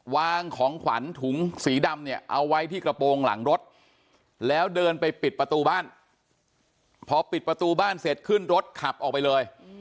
วางของขวัญถุงสีดำเนี่ยเอาไว้ที่กระโปรงหลังรถแล้วเดินไปปิดประตูบ้านพอปิดประตูบ้านเสร็จขึ้นรถขับออกไปเลย